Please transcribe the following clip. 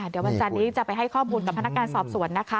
เดี๋ยววันจันนี้จะไปให้ข้อมูลกับพนักงานสอบสวนนะคะ